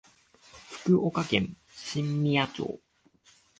福岡県新宮町